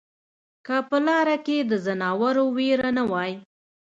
که په لاره کې د ځناورو وېره نه وای